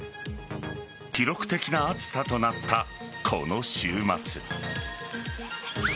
記録的な暑さとなったこの週末。